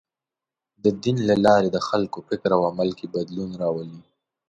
د دین له لارې د خلکو فکر او عمل کې بدلون راولي.